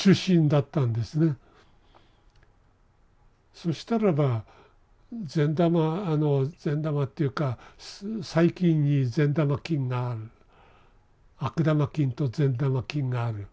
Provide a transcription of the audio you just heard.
そしたらば善玉あの善玉っていうか細菌に善玉菌がある悪玉菌と善玉菌がある。